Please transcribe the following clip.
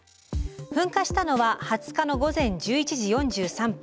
噴火したのは２０日の午前１１時４３分。